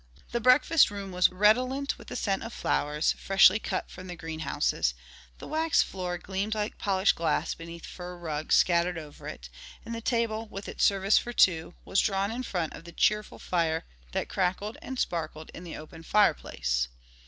The breakfast room was redolent with the scent of flowers, freshly cut from the greenhouses; the waxed floor gleamed like polished glass beneath the fur rugs scattered over it, and the table, with its service for two, was drawn in front of the cheerful fire that crackled and sparkled in the open fireplace.